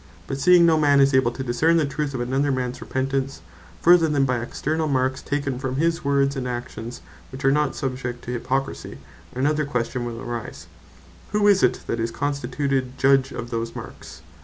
But seeing no man is able to discern the truth of another mans Repentance, further than by externall marks, taken from his words, and actions, which are subject to hypocrisie; another question will arise, Who it is that is constituted Judge of those marks.